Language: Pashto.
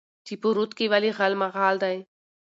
چې په رود کې ولې غالمغال دى؟